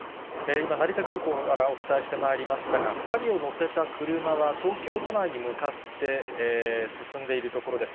今、成田空港からお伝えしてまいりましたが、２人を乗せた車は東京都内に向かって進んでいるところです。